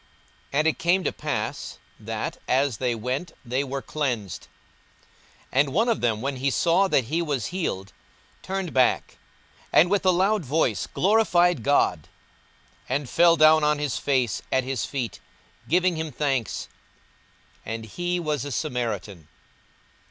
And it came to pass, that, as they went, they were cleansed. 42:017:015 And one of them, when he saw that he was healed, turned back, and with a loud voice glorified God, 42:017:016 And fell down on his face at his feet, giving him thanks: and he was a Samaritan.